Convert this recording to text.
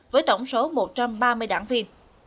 với tổng số một trăm ba mươi đảng viên